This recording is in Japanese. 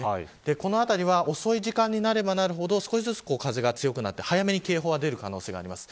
この辺りは、遅い時間になればなるほど少しずつ風が強くなって早めに警報が出る可能性があります。